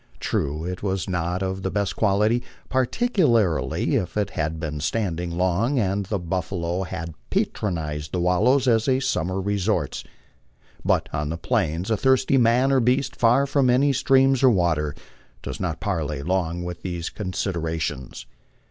1 ' True, it was not of the best quality, particularly if it had been standing long and the buf falo had patronized the wallows as " summer resorts "; but on the Plains a thirsty man or beast, far 'from any streams of water, does not parley long with these considerations.